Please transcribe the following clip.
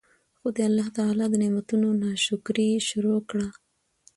خو د الله تعالی د نعمتونو نا شکري ئي شروع کړه